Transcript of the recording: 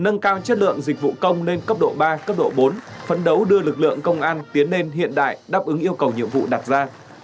nâng cao chất lượng dịch vụ công lên cấp độ ba cấp độ bốn phấn đấu đưa lực lượng công an tiến lên hiện đại đáp ứng yêu cầu nhiệm vụ đặt ra